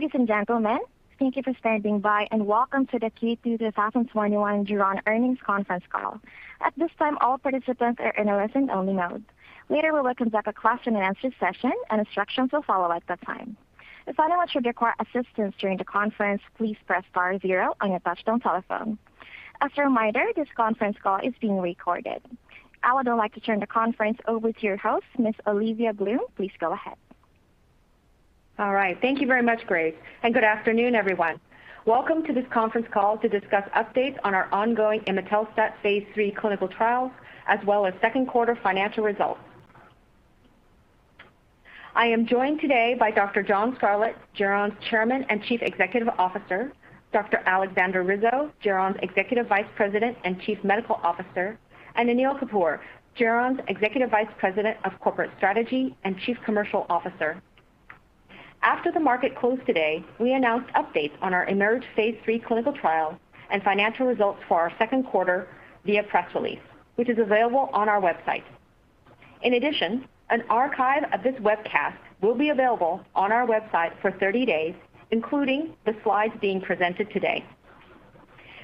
Ladies and gentlemen, thank you for standing by, and welcome to the Q2 2021 Geron Earnings Conference Call. At this time, all participants are in a listen-only mode. Later, we will conduct a question and answer session, and instructions will follow at that time. If anyone should require assistance during the conference, please press star zero on your touch-tone telephone. As a reminder, this conference call is being recorded. I would now like to turn the conference over to your host, Ms. Olivia Bloom. Please go ahead. All right. Thank you very much, Grace. Good afternoon, everyone. Welcome to this conference call to discuss updates on our ongoing imetelstat phase III clinical trials, as well as second quarter financial results. I am joined today by Dr. John Scarlett, Geron's Chairman and Chief Executive Officer, Dr. Aleksandra Rizo, Geron's Executive Vice President and Chief Medical Officer, and Anil Kapur, Geron's Executive Vice President of Corporate Strategy and Chief Commercial Officer. After the market closed today, we announced updates on our IMerge phase III clinical trial and financial results for our second quarter via press release, which is available on our website. In addition, an archive of this webcast will be available on our website for 30 days, including the slides being presented today.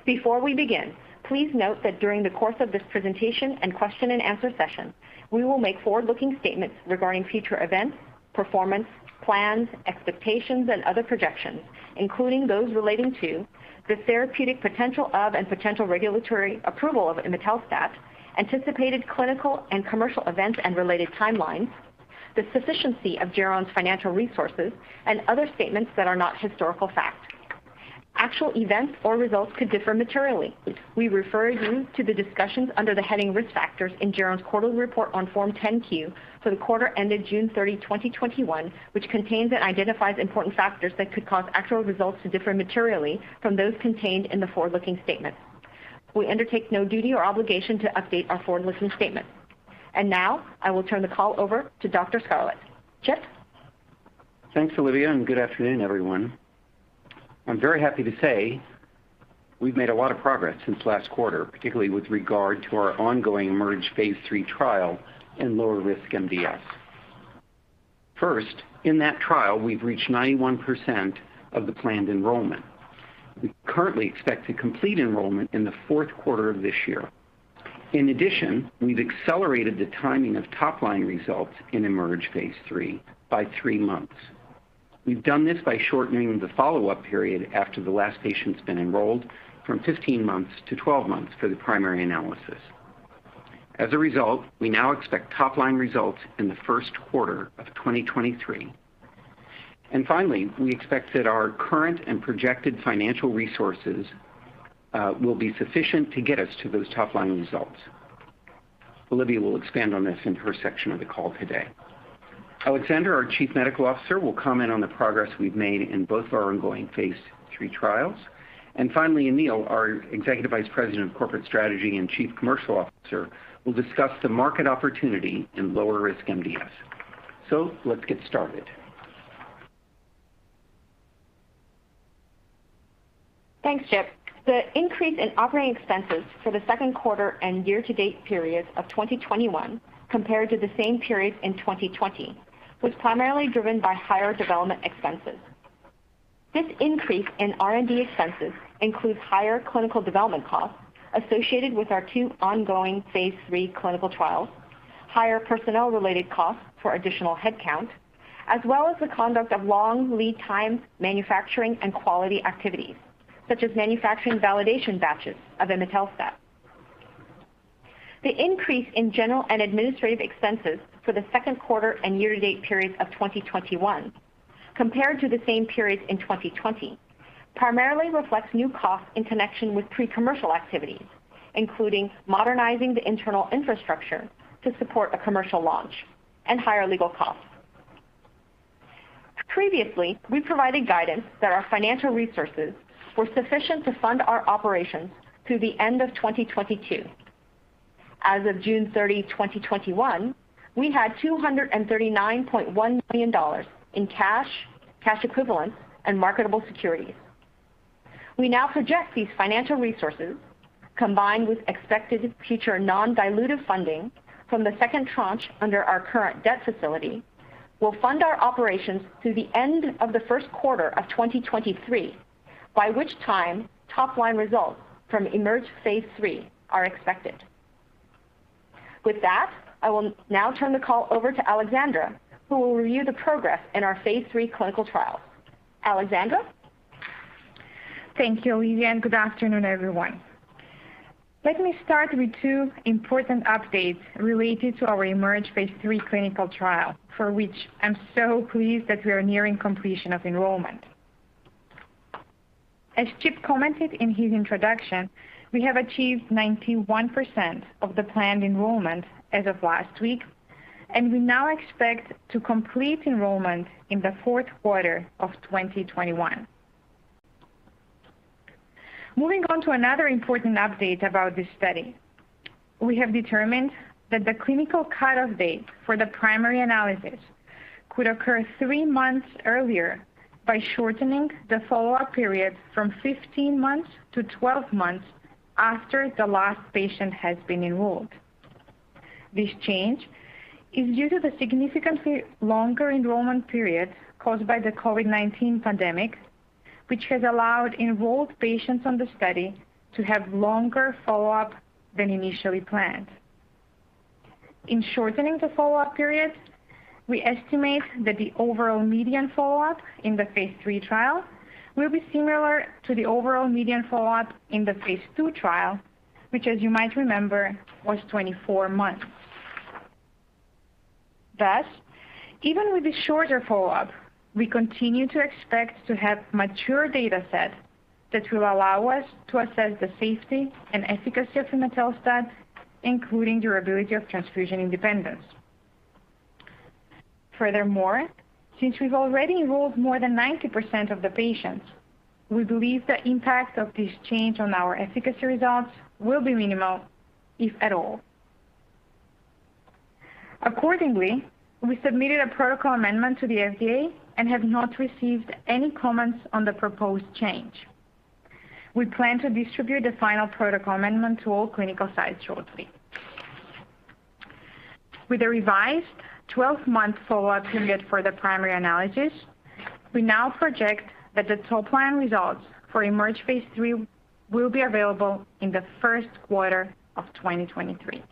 Before we begin, please note that during the course of this presentation and question and answer session, we will make forward-looking statements regarding future events, performance, plans, expectations, and other projections. Including those relating to the therapeutic potential of, and potential regulatory approval of imetelstat, anticipated clinical and commercial events and related timelines, the sufficiency of Geron's financial resources, and other statements that are not historical fact. Actual events or results could differ materially. We refer you to the discussions under the heading Risk Factors in Geron's quarterly report on Form 10-Q for the quarter ended June 30, 2021, which contains and identifies important factors that could cause actual results to differ materially from those contained in the forward-looking statement. We undertake no duty or obligation to update our forward-looking statement. Now, I will turn the call over to Dr. Scarlett. Chip? Thanks, Olivia, and good afternoon, everyone. I'm very happy to say we've made a lot of progress since last quarter, particularly with regard to our ongoing IMerge phase III trial in lower risk MDS. First, in that trial, we've reached 91% of the planned enrollment. We currently expect to complete enrollment in the fourth quarter of this year. In addition, we've accelerated the timing of top-line results in IMerge phase III by three months. We've done this by shortening the follow-up period after the last patient's been enrolled from 15 months to 12 months for the primary analysis. As a result, we now expect top-line results in the first quarter of 2023. Finally, we expect that our current and projected financial resources will be sufficient to get us to those top-line results. Olivia will expand on this in her section of the call today. Aleksandra, our Chief Medical Officer, will comment on the progress we've made in both of our ongoing phase III trials. Finally, Anil, our Executive Vice President of Corporate Strategy and Chief Commercial Officer, will discuss the market opportunity in lower risk MDS. Let's get started. Thanks, Chip. The increase in operating expenses for the second quarter and year-to-date period of 2021 compared to the same period in 2020 was primarily driven by higher development expenses. This increase in R&D expenses includes higher clinical development costs associated with our two ongoing phase III clinical trials, higher personnel-related costs for additional headcount, as well as the conduct of long lead time manufacturing and quality activities, such as manufacturing validation batches of imetelstat. The increase in general and administrative expenses for the second quarter and year-to-date periods of 2021 compared to the same periods in 2020 primarily reflects new costs in connection with pre-commercial activities, including modernizing the internal infrastructure to support a commercial launch and higher legal costs. Previously, we provided guidance that our financial resources were sufficient to fund our operations through the end of 2022. As of June 30, 2021, we had $239.1 million in cash equivalents, and marketable securities. We now project these financial resources, combined with expected future non-dilutive funding from the second tranche under our current debt facility, will fund our operations through the end of the first quarter of 2023, by which time top-line results from IMerge phase III are expected. With that, I will now turn the call over to Aleksandra, who will review the progress in our phase III clinical trials. Aleksandra? Thank you, Olivia. Good afternoon, everyone. Let me start with two important updates related to our IMerge phase III clinical trial, for which I'm so pleased that we are nearing completion of enrollment. As Chip commented in his introduction, we have achieved 91% of the planned enrollment as of last week, and we now expect to complete enrollment in the fourth quarter of 2021. Moving on to another important update about this study. We have determined that the clinical cut-off date for the primary analysis could occur three months earlier by shortening the follow-up period from 15 months to 12 months after the last patient has been enrolled. This change is due to the significantly longer enrollment period caused by the COVID-19 pandemic, which has allowed enrolled patients on the study to have longer follow-up than initially planned. In shortening the follow-up period, we estimate that the overall median follow-up in the phase III trial will be similar to the overall median follow-up in the phase II trial, which, as you might remember, was 24 months. Even with the shorter follow-up, we continue to expect to have mature dataset that will allow us to assess the safety and efficacy of imetelstat, including durability of transfusion independence. Since we've already enrolled more than 90% of the patients, we believe the impact of this change on our efficacy results will be minimal, if at all. We submitted a protocol amendment to the FDA and have not received any comments on the proposed change. We plan to distribute the final protocol amendment to all clinical sites shortly. With a revised 12-month follow-up period for the primary analysis, we now project that the top-line results for IMerge phase III will be available in the first quarter of 2023.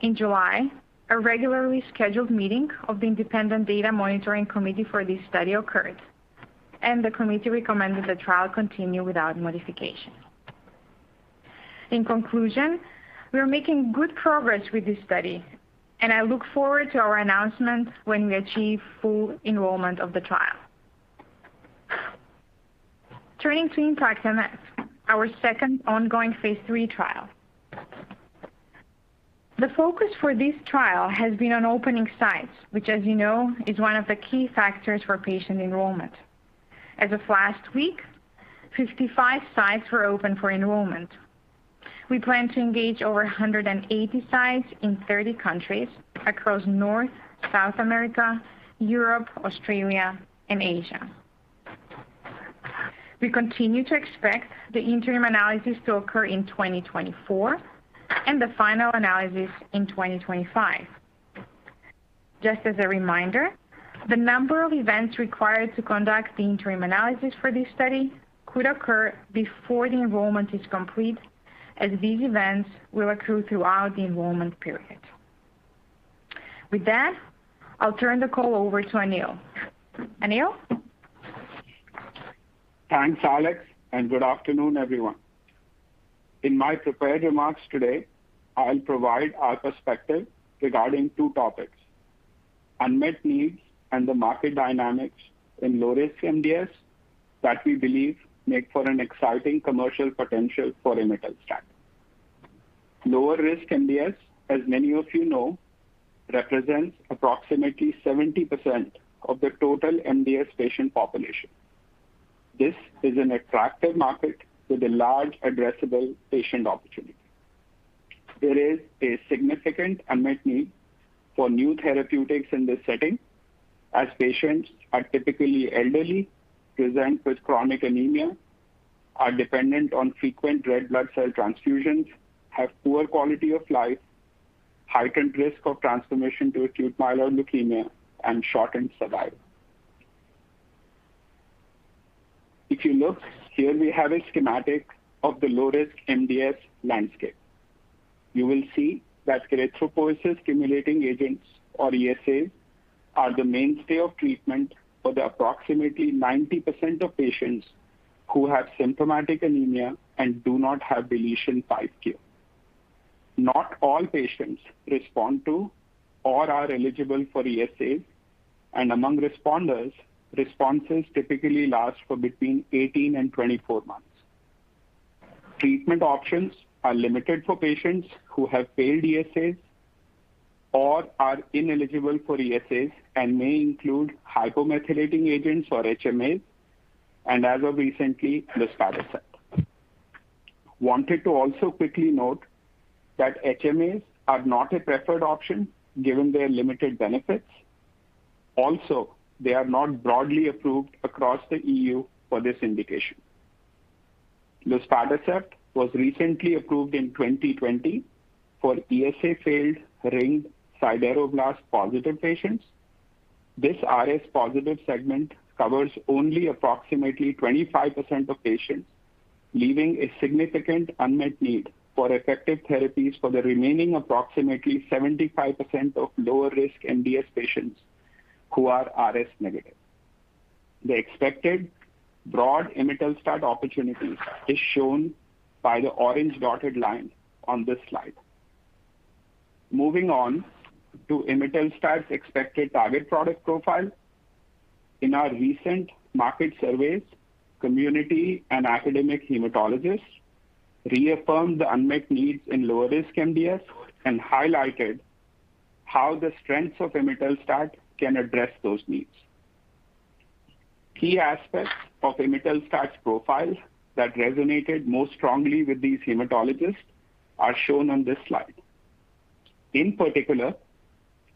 In July, a regularly scheduled meeting of the Independent Data Monitoring Committee for this study occurred, the committee recommended the trial continue without modification. In conclusion, we are making good progress with this study, I look forward to our announcements when we achieve full enrollment of the trial. Turning to IMpactMF, our second ongoing phase III trial. The focus for this trial has been on opening sites, which as you know, is one of the key factors for patient enrollment. As of last week, 55 sites were open for enrollment. We plan to engage over 180 sites in 30 countries across North, South America, Europe, Australia, and Asia. We continue to expect the interim analysis to occur in 2024 and the final analysis in 2025. Just as a reminder, the number of events required to conduct the interim analysis for this study could occur before the enrollment is complete, as these events will accrue throughout the enrollment period. With that, I'll turn the call over to Anil. Anil? Thanks, Alex. Good afternoon, everyone. In my prepared remarks today, I'll provide our perspective regarding two topics, unmet needs and the market dynamics in lower-risk MDS that we believe make for an exciting commercial potential for imetelstat. Lower-risk MDS, as many of you know, represents approximately 70% of the total MDS patient population. This is an attractive market with a large addressable patient opportunity. There is a significant unmet need for new therapeutics in this setting, as patients are typically elderly, present with chronic anemia, are dependent on frequent red blood cell transfusions, have poor quality of life, heightened risk of transformation to acute myeloid leukemia, and shortened survival. If you look here, we have a schematic of the lower-risk MDS landscape. You will see that erythropoiesis stimulating agents, or ESAs, are the mainstay of treatment for the approximately 90% of patients who have symptomatic anemia and do not have deletion 5q. Not all patients respond to or are eligible for ESAs, and among responders, responses typically last for between 18 and 24 months. Treatment options are limited for patients who have failed ESAs or are ineligible for ESAs and may include hypomethylating agents, or HMAs, and as of recently, luspatercept. I wanted to also quickly note that HMAs are not a preferred option given their limited benefits. Also, they are not broadly approved across the EU for this indication. Luspatercept was recently approved in 2020 for ESA-failed ring sideroblast positive patients. This RS-positive segment covers only approximately 25% of patients, leaving a significant unmet need for effective therapies for the remaining approximately 75% of lower risk MDS patients who are RS negative. The expected broad imetelstat opportunities is shown by the orange dotted line on this slide. Moving on to imetelstat's expected target product profile. In our recent market surveys, community and academic hematologists reaffirmed the unmet needs in lower risk MDS and highlighted how the strengths of imetelstat can address those needs. Key aspects of imetelstat's profile that resonated most strongly with these hematologists are shown on this slide. In particular,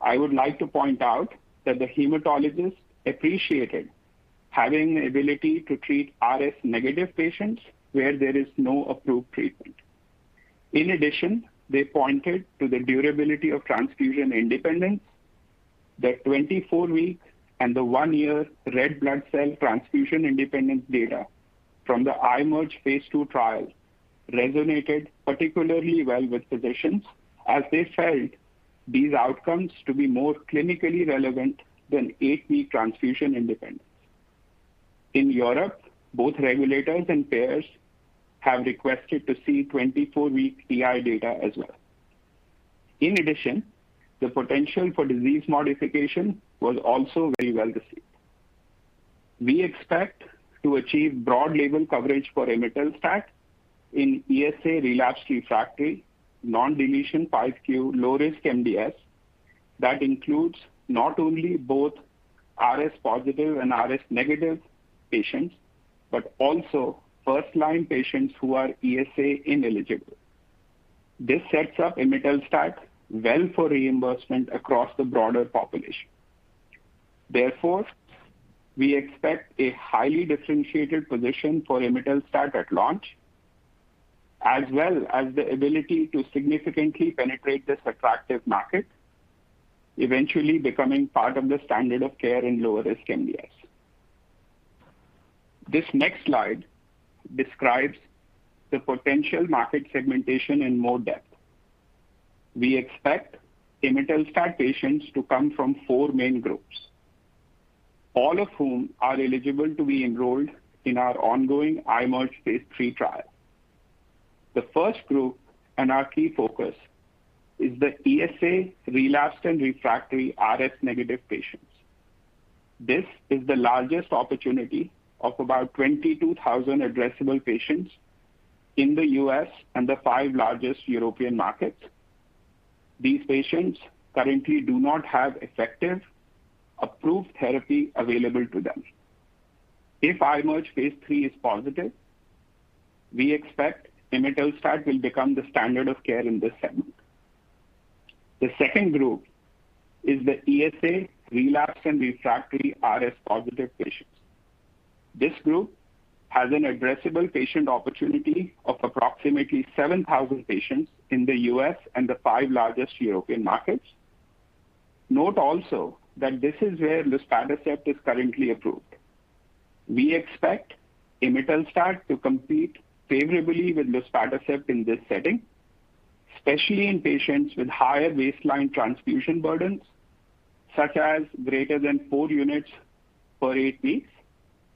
I would like to point out that the hematologists appreciated having the ability to treat RS negative patients where there is no approved treatment. In addition, they pointed to the durability of transfusion independence, that 24-week and the one-year red blood cell transfusion independence data from the IMerge phase II trial resonated particularly well with physicians, as they felt these outcomes to be more clinically relevant than eight-week transfusion independence. In Europe, both regulators and payers have requested to see 24-week TI data as well. In addition, the potential for disease modification was also very well received. We expect to achieve broad label coverage for imetelstat in ESA relapsed refractory non-deletion 5q low risk MDS. That includes not only both RS positive and RS negative patients, but also first-line patients who are ESA ineligible. This sets up imetelstat well for reimbursement across the broader population. Therefore, we expect a highly differentiated position for imetelstat at launch, as well as the ability to significantly penetrate this attractive market, eventually becoming part of the standard of care in lower risk MDS. This next slide describes the potential market segmentation in more depth. We expect imetelstat patients to come from four main groups, all of whom are eligible to be enrolled in our ongoing IMerge phase III trial. The first group, and our key focus, is the ESA relapsed and refractory RS negative patients. This is the largest opportunity of about 22,000 addressable patients in the U.S. and the five largest European markets. These patients currently do not have effective approved therapy available to them. If IMerge phase III is positive, we expect imetelstat will become the standard of care in this segment. The second group is the ESA relapsed and refractory RS positive patients. This group has an addressable patient opportunity of approximately 7,000 patients in the U.S. and the five largest European markets. Note also that this is where luspatercept is currently approved. We expect imetelstat to compete favorably with luspatercept in this setting, especially in patients with higher baseline transfusion burdens, such as greater than four units per eight weeks,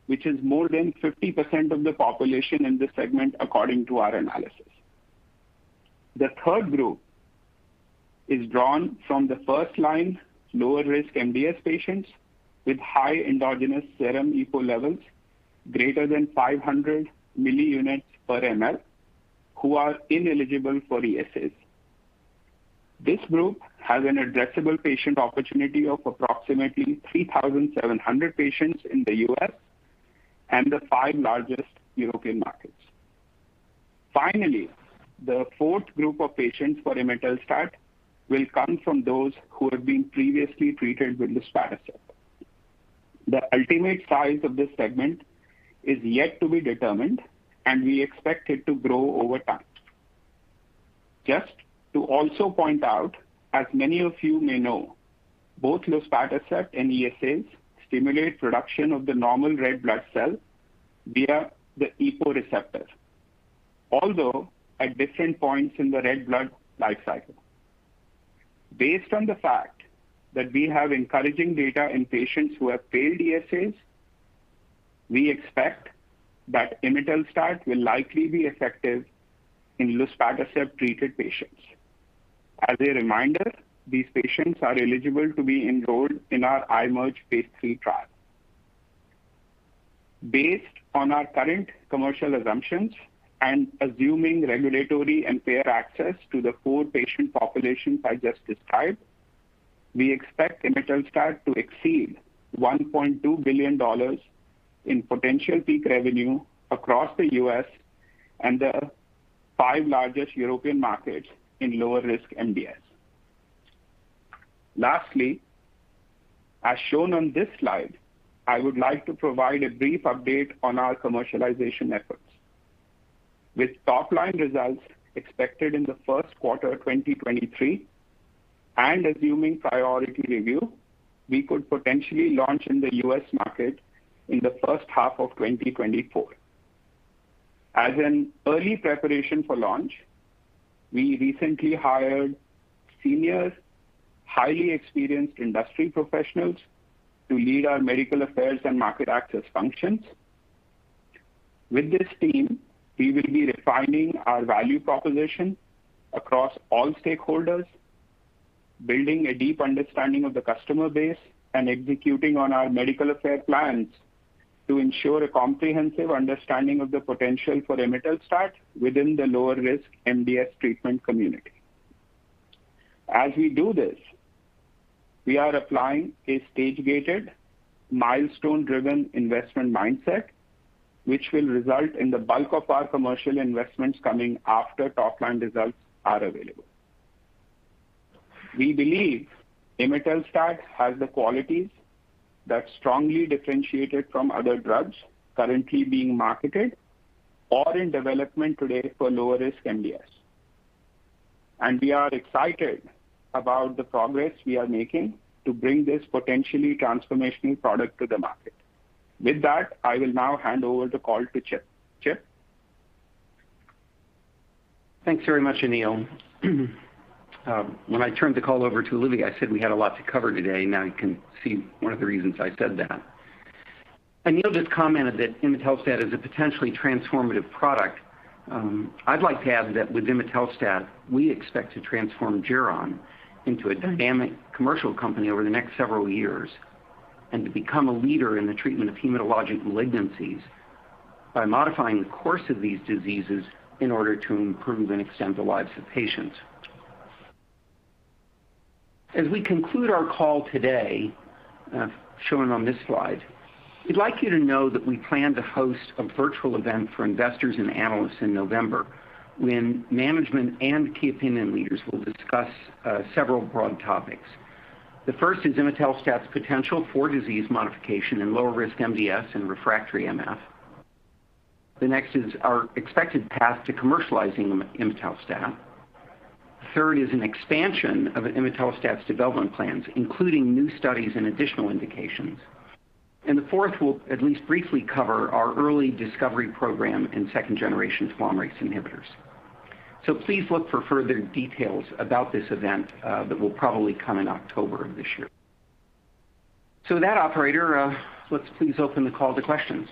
which is more than 50% of the population in this segment, according to our analysis. The third group is drawn from the first-line, lower risk MDS patients with high endogenous serum EPO levels greater than 500 milliunits per mL, who are ineligible for ESAs. This group has an addressable patient opportunity of approximately 3,700 patients in the U.S. and the five largest European markets. Finally, the fourth group of patients for imetelstat will come from those who have been previously treated with luspatercept. The ultimate size of this segment is yet to be determined, and we expect it to grow over time. Just to also point out, as many of you may know, both luspatercept and ESAs stimulate production of the normal red blood cell via the EPO receptor. Although, at different points in the red blood life cycle. Based on the fact that we have encouraging data in patients who have failed ESAs, we expect that imetelstat will likely be effective in luspatercept-treated patients. As a reminder, these patients are eligible to be enrolled in our IMerge phase III trial. Based on our current commercial assumptions and assuming regulatory and payer access to the four patient populations I just described. We expect imetelstat to exceed $1.2 billion in potential peak revenue across the U.S. and the five largest European markets in lower-risk MDS. As shown on this slide, I would like to provide a brief update on our commercialization efforts. With top-line results expected in the first quarter of 2023, and assuming priority review, we could potentially launch in the U.S. market in the first half of 2024. As an early preparation for launch, we recently hired senior, highly experienced industry professionals to lead our medical affairs and market access functions. With this team, we will be refining our value proposition across all stakeholders, building a deep understanding of the customer base, and executing on our medical affairs plans to ensure a comprehensive understanding of the potential for imetelstat within the lower-risk MDS treatment community. As we do this, we are applying a stage-gated, milestone-driven investment mindset, which will result in the bulk of our commercial investments coming after top-line results are available. We believe imetelstat has the qualities that strongly differentiate it from other drugs currently being marketed or in development today for lower-risk MDS. We are excited about the progress we are making to bring this potentially transformational product to the market. With that, I will now hand over the call to Chip. Chip? Thanks very much, Anil. When I turned the call over to Olivia, I said we had a lot to cover today. Now you can see one of the reasons I said that. Anil just commented that imetelstat is a potentially transformative product. I'd like to add that with imetelstat, we expect to transform Geron into a dynamic commercial company over the next several years, and to become a leader in the treatment of hematologic malignancies by modifying the course of these diseases in order to improve and extend the lives of patients. As we conclude our call today, shown on this slide, we'd like you to know that we plan to host a virtual event for investors and analysts in November, when management and key opinion leaders will discuss several broad topics. The first is imetelstat's potential for disease modification in lower-risk MDS and refractory MF. The next is our expected path to commercializing imetelstat. The third is an expansion of imetelstat's development plans, including new studies and additional indications. The fourth, we'll at least briefly cover our early discovery program in second-generation telomerase inhibitors. Please look for further details about this event that will probably come in October of this year. With that, operator, let's please open the call to questions.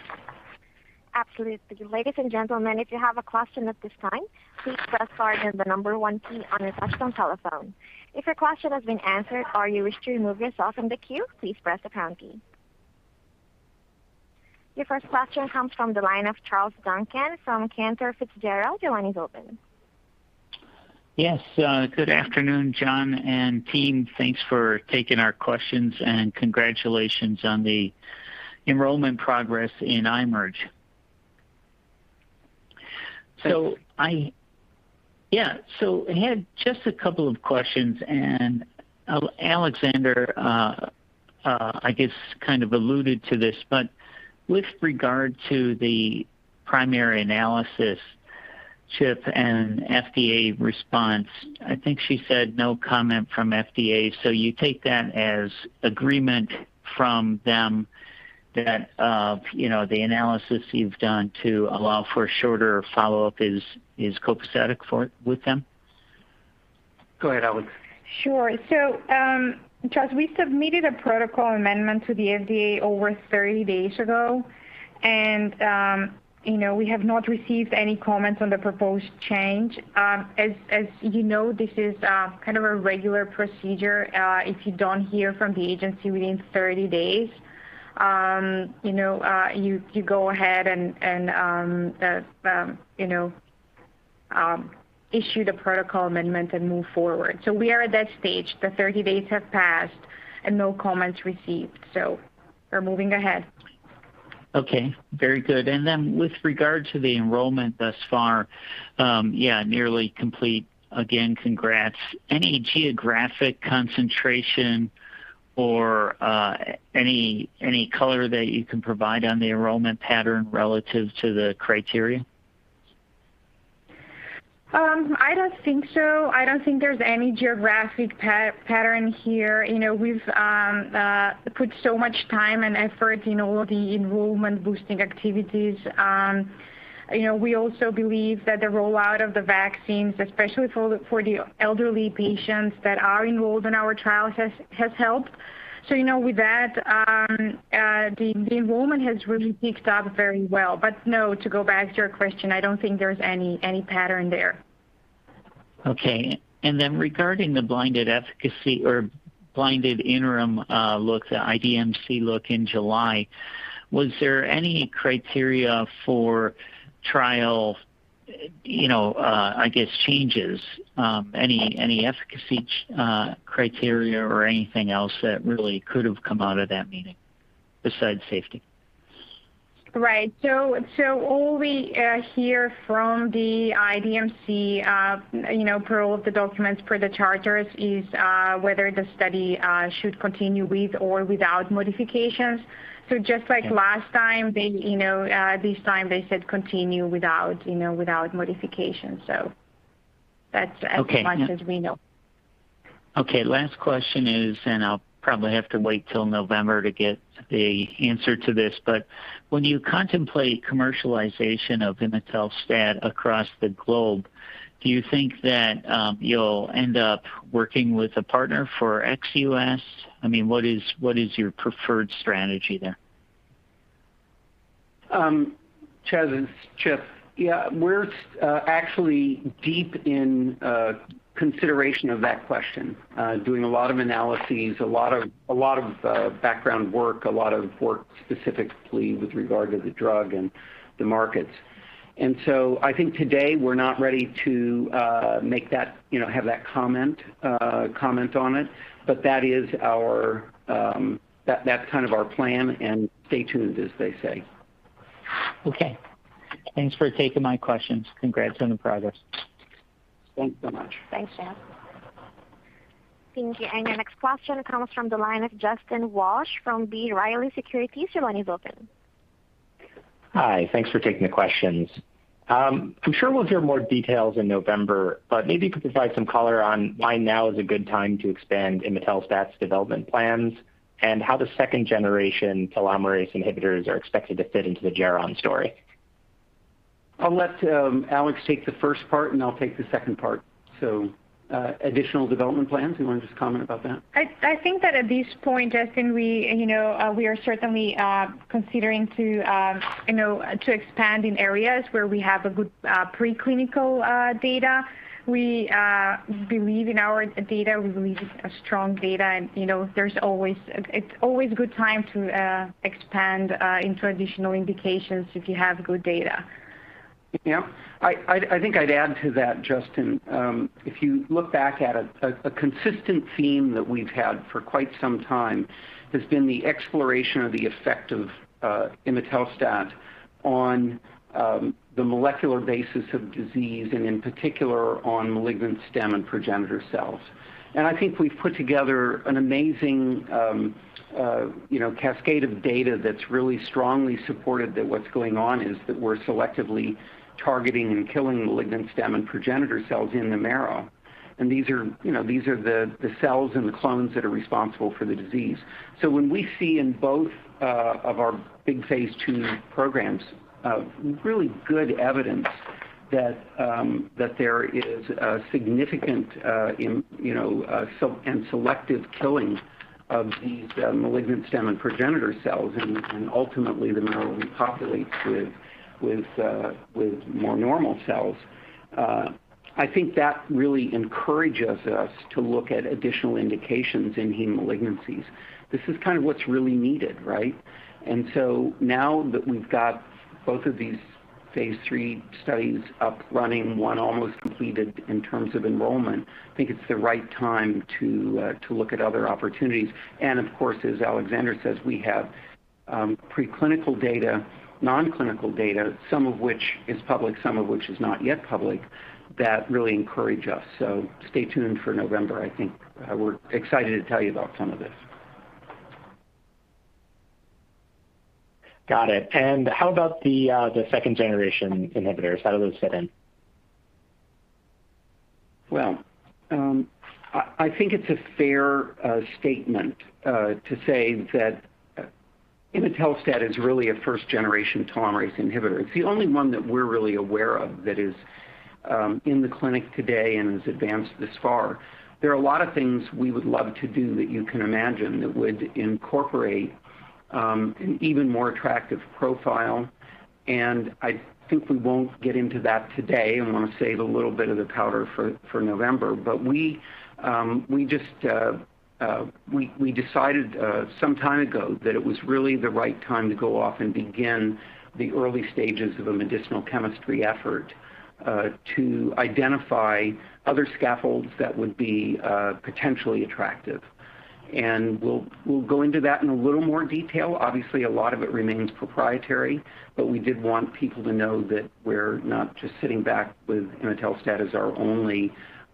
Absolutely. Ladies and gentlemen, if you have a question at this time, please press star then the number one key on your touchtone telephone. If your question has been answered or you wish to remove yourself from the queue, please press the pound key. Your first question comes from the line of Charles Duncan from Cantor Fitzgerald. Your line is open. Yes. Good afternoon, John, and team. Thanks for taking our questions, and congratulations on the enrollment progress in IMerge. I had just a couple of questions, and Aleksandra, I guess, kind of alluded to this, but with regard to the primary analysis, Chip, and FDA response, I think she said no comment from FDA, so you take that as agreement from them that the analysis you've done to allow for a shorter follow-up is copacetic with them? Go ahead, Alex. Sure. Charles, we submitted a protocol amendment to the FDA over 30 days ago. We have not received any comments on the proposed change. As you know, this is kind of a regular procedure. If you don't hear from the agency within 30 days, you go ahead and issue the protocol amendment and move forward. We are at that stage. The 30 days have passed, and no comments received, so we're moving ahead. Okay. Very good. With regard to the enrollment thus far, yeah, nearly complete. Again, congrats. Any geographic concentration or any color that you can provide on the enrollment pattern relative to the criteria? I don't think so. I don't think there's any geographic pattern here. We've put so much time and effort in all the enrollment boosting activities. We also believe that the rollout of the vaccines, especially for the elderly patients that are enrolled in our trial, has helped. With that, the enrollment has really picked up very well. No, to go back to your question, I don't think there's any pattern there. Okay. Regarding the blinded efficacy or blinded interim look, the IDMC look in July, was there any criteria for trial, I guess, changes, any efficacy criteria or anything else that really could have come out of that meeting besides safety? Right. All we hear from the IDMC, per all of the documents, per the charters, is whether the study should continue with or without modifications. Just like last time, this time they said continue without modifications. That's as much as we know. Okay. Last question is. I'll probably have to wait till November to get the answer to this. When you contemplate commercialization of imetelstat across the globe, do you think that you'll end up working with a partner for ex-U.S.? What is your preferred strategy there? Charles, it's Chip. Yeah. We're actually deep in consideration of that question, doing a lot of analyses, a lot of background work, a lot of work specifically with regard to the drug and the markets. I think today we're not ready to have that comment on it. That's kind of our plan, and stay tuned, as they say. Okay. Thanks for taking my questions. Congrats on the progress. Thanks so much. Thanks, Charles. Thank you. Your next question comes from the line of Justin Walsh from B. Riley Securities. Your line is open. Hi. Thanks for taking the questions. I'm sure we'll hear more details in November, but maybe you could provide some color on why now is a good time to expand imetelstat's development plans, and how the second-generation telomerase inhibitors are expected to fit into the Geron story. I'll let Alex take the first part, and I'll take the second part. Additional development plans, you want to just comment about that? I think that at this point, Justin, we are certainly considering to expand in areas where we have a good preclinical data. We believe in our data. We believe it's a strong data, and it's always good time to expand into additional indications if you have good data. Yeah. I think I'd add to that, Justin, if you look back at a consistent theme that we've had for quite some time has been the exploration of the effect of imetelstat on the molecular basis of disease, and in particular on malignant stem and progenitor cells. I think we've put together an amazing cascade of data that's really strongly supported that what's going on is that we're selectively targeting and killing malignant stem and progenitor cells in the marrow. These are the cells and the clones that are responsible for the disease. When we see in both of our big phase II programs of really good evidence that there is a significant and selective killing of these malignant stem and progenitor cells, and ultimately the marrow repopulates with more normal cells. I think that really encourages us to look at additional indications in heme malignancies. This is kind of what's really needed, right? Now that we've got both of these phase III studies up running, one almost completed in terms of enrollment, I think it's the right time to look at other opportunities. Of course, as Aleksandra says, we have preclinical data, nonclinical data, some of which is public, some of which is not yet public, that really encourage us. Stay tuned for November, I think. We're excited to tell you about some of this. Got it. How about the second generation inhibitors? How do those fit in? I think it's a fair statement to say that imetelstat is really a first-generation telomerase inhibitor. It's the only one that we're really aware of that is in the clinic today and has advanced this far. There are a lot of things we would love to do that you can imagine that would incorporate an even more attractive profile, and I think we won't get into that today. I want to save a little bit of the powder for November. We decided some time ago that it was really the right time to go off and begin the early stages of a medicinal chemistry effort, to identify other scaffolds that would be potentially attractive. We'll go into that in a little more detail. Obviously, a lot of it remains proprietary. We did want people to know that we're not just sitting back with imetelstat as our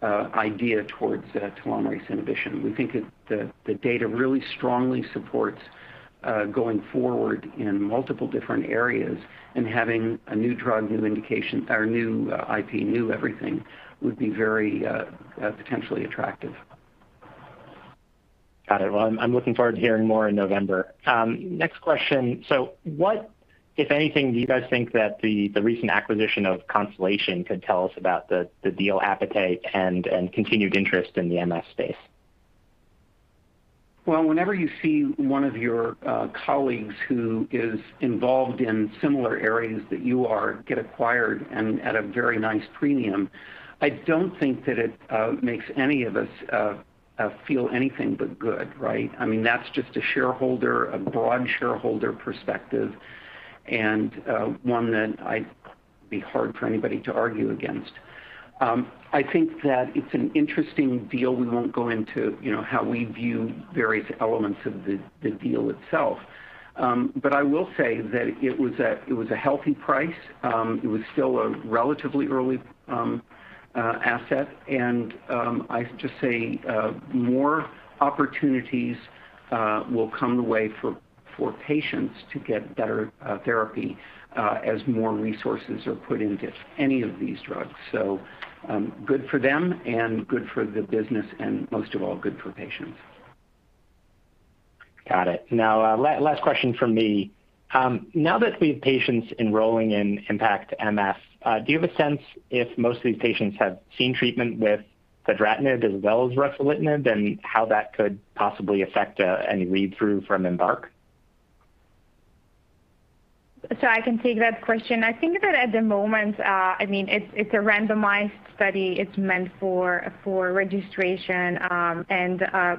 only idea towards telomerase inhibition. We think that the data really strongly supports going forward in multiple different areas and having a new drug, new indication, or new IP, new everything, would be very potentially attractive. Got it. Well, I'm looking forward to hearing more in November. Next question. What, if anything, do you guys think that the recent acquisition of Constellation could tell us about the deal appetite and continued interest in the MF space? Well, whenever you see one of your colleagues who is involved in similar areas that you are get acquired and at a very nice premium, I don't think that it makes any of us feel anything but good, right? That's just a broad shareholder perspective and one that it'd be hard for anybody to argue against. I think that it's an interesting deal. We won't go into how we view various elements of the deal itself. I will say that it was a healthy price. It was still a relatively early asset. I have to say, more opportunities will come the way for patients to get better therapy as more resources are put into any of these drugs. Good for them and good for the business, and most of all, good for patients. Got it. Now, last question from me. Now that we have patients enrolling in IMpactMF, do you have a sense if most of these patients have seen treatment with fedratinib as well as ruxolitinib, and how that could possibly affect any read-through from IMbark? I can take that question. I think that at the moment, it's a randomized study. It's meant for registration.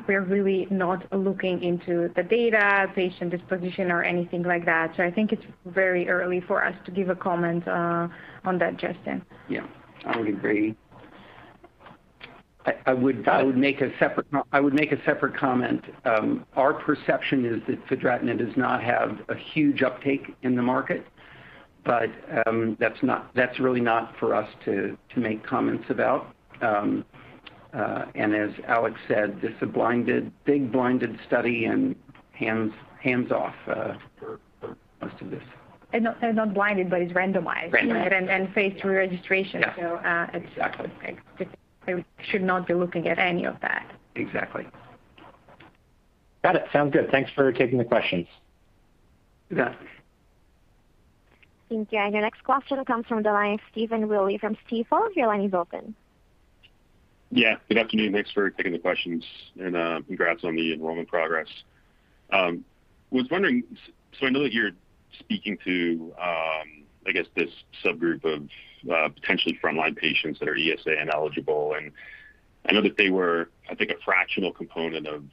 We're really not looking into the data, patient disposition, or anything like that. I think it's very early for us to give a comment on that, Justin. Yeah. I would agree. I would make a separate comment. Our perception is that fedratinib does not have a huge uptake in the market. That's really not for us to make comments about. As Alex said, this is a big blinded study and hands off for most of this. It's not blinded, but it's randomized. Phase III registration. Yeah. So- Exactly. we should not be looking at any of that. Exactly. Got it. Sounds good. Thanks for taking the questions. You bet. Thank you. Your next question comes from the line of Stephen Willey from Stifel. Your line is open. Yeah. Good afternoon. Thanks for taking the questions, and congrats on the enrollment progress. Was wondering, I know that you're speaking to, I guess, this subgroup of potentially front-line patients that are ESA-ineligible. I know that they were, I think, a fractional component of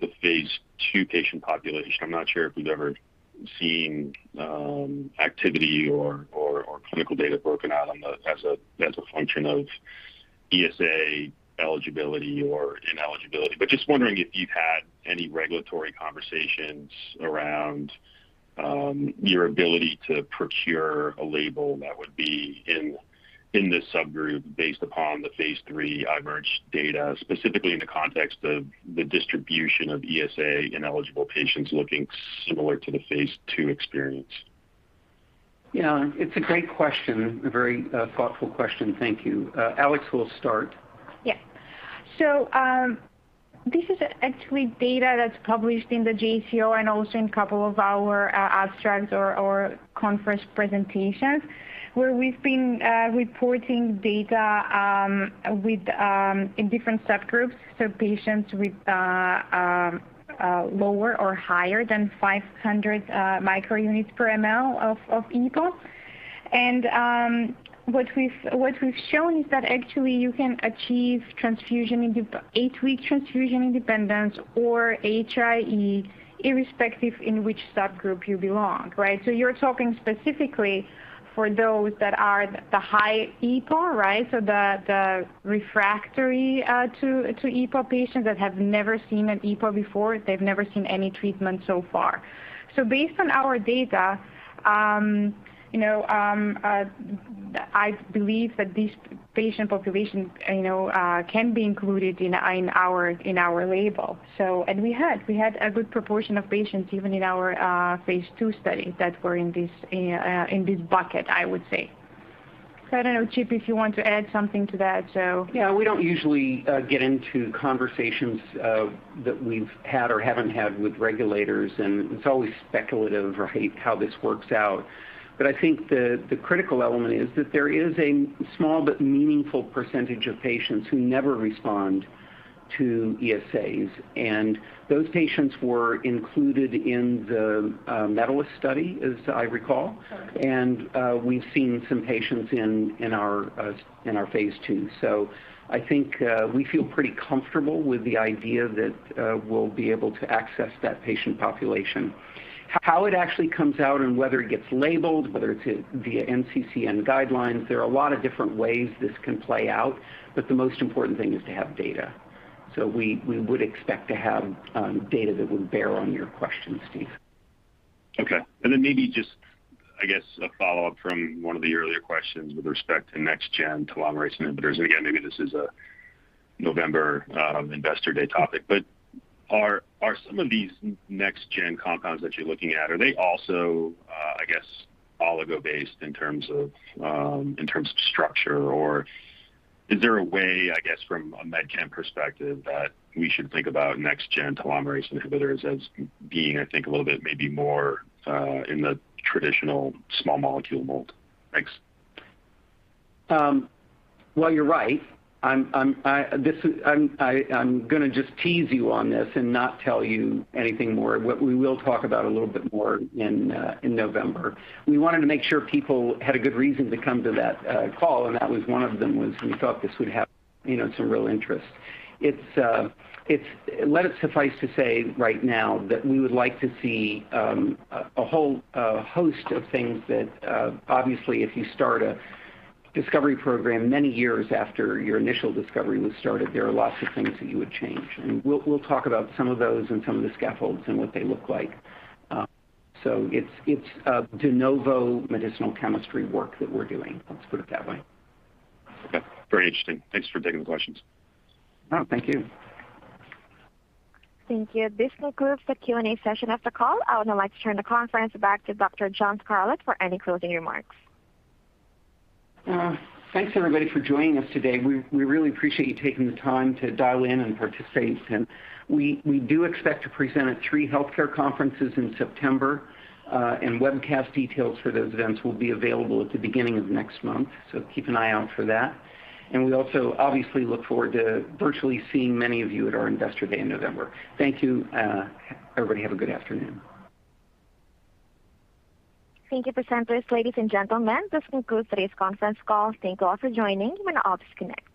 the phase II patient population. I'm not sure if we've ever seen activity or clinical data broken out as a function of ESA eligibility or ineligibility. Just wondering if you've had any regulatory conversations around your ability to procure a label that would be in this subgroup based upon the phase III IMerge data, specifically in the context of the distribution of ESA-ineligible patients looking similar to the phase II experience. Yeah. It's a great question. A very thoughtful question. Thank you. Alex will start. Yeah. This is actually data that's published in the JCO and also in couple of our abstracts or conference presentations, where we've been reporting data in different subgroups. Patients with lower or higher than 500 micro units per mL of EPO. What we've shown is that actually you can achieve 8-week transfusion independence or HI-E irrespective in which subgroup you belong. You're talking specifically for those that are the high EPO, so the refractory to EPO patients that have never seen an EPO before. They've never seen any treatment so far. Based on our data, I believe that this patient population can be included in our label. We had a good proportion of patients even in our phase II study that were in this bucket, I would say. I don't know, Chip, if you want to add something to that. Yeah. We don't usually get into conversations that we've had or haven't had with regulators, and it's always speculative, right, how this works out. I think the critical element is that there is a small but meaningful percentage of patients who never respond to ESAs. Those patients were included in the MEDALIST study, as I recall. Correct. We've seen some patients in our phase II. I think we feel pretty comfortable with the idea that we'll be able to access that patient population. How it actually comes out and whether it gets labeled, whether it's via NCCN guidelines, there are a lot of different ways this can play out, but the most important thing is to have data. We would expect to have data that would bear on your question, Steve. Okay. Then maybe just, I guess, a follow-up from one of the earlier questions with respect to next-gen telomerase inhibitors. Again, maybe this is a November investor day topic, are some of these next-gen compounds that you're looking at, are they also, I guess, oligo-based in terms of structure? Is there a way, I guess, from a med chem perspective, that we should think about next-gen telomerase inhibitors as being, I think, a little bit, maybe more in the traditional small molecule mold? Thanks. Well, you're right. I'm going to just tease you on this and not tell you anything more. What we will talk about a little bit more in November. We wanted to make sure people had a good reason to come to that call, and that was one of them, was we thought this would have some real interest. Let it suffice to say right now that we would like to see a whole host of things that, obviously if you start a discovery program many years after your initial discovery was started, there are lots of things that you would change. We'll talk about some of those and some of the scaffolds and what they look like. It's de novo medicinal chemistry work that we're doing. Let's put it that way. Okay. Very interesting. Thanks for taking the questions. No, thank you. Thank you. This concludes the Q&A session of the call. I would now like to turn the conference back to Dr. John Scarlett for any closing remarks. Thanks everybody for joining us today. We really appreciate you taking the time to dial in and participate. We do expect to present at three healthcare conferences in September. Webcast details for those events will be available at the beginning of next month, so keep an eye out for that. We also obviously look forward to virtually seeing many of you at our investor day in November. Thank you, everybody have a good afternoon. Thank you, presenters. Ladies and gentlemen, this concludes today's conference call. Thank you all for joining. You may now disconnect.